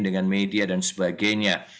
dengan media dan sebagainya